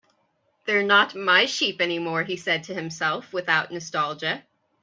"They're not my sheep anymore," he said to himself, without nostalgia.